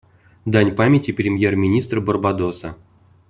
Дань памяти премьер-министра Барбадоса.